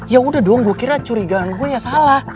ya udah dong gue kira curigaan gue ya salah